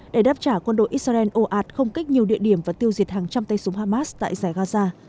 để đáp trả quân đội israel ồ ạt không kích nhiều địa điểm và tiêu diệt hàng trăm tay súng hamas tại giải gaza